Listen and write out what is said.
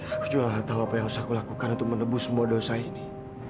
aku juga gak tahu apa yang harus aku lakukan untuk menebus semua dosa ini